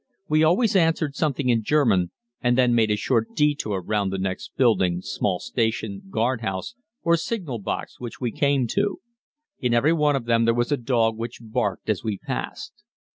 We always answered something in German and then made a short detour round the next building, small station, guardhouse, or signal box which we came to. In every one of them there was a dog which barked as we passed.